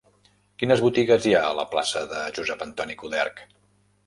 Quines botigues hi ha a la plaça de Josep Antoni Coderch?